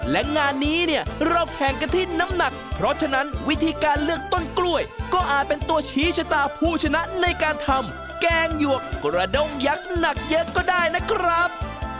และงานนี้เนี่ยเราแข่งกันที่น้ำหนักเพราะฉะนั้นวิธีการเลือกต้นกล้วยก็อาจเป็นตัวชี้ชะตาผู้ชนะในการทำแกงหยวกกระด้งยักษ์หนักเยอะก็ได้นะครับ